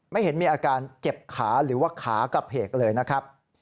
ไม่เห็นมีอาการเจ็บขาหรือว่าขากระเพกเลยนะครับ